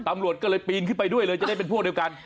ตำรวจก็เลยปีนขึ้นไปด้วยเลยจะได้เป็นพวกเดียวกัน